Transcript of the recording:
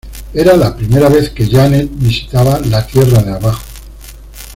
Era la primera vez que Janet visitaba la tierra de abajo.